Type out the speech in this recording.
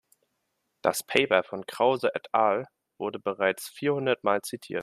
Das Paper von Krause et al. wurde bereits vierhundertmal zitiert.